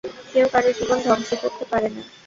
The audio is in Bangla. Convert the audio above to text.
কেউ কারো জীবন ধ্বংস করতে পারে না।